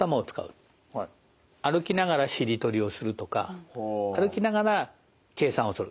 歩きながらしりとりをするとか歩きながら計算をする。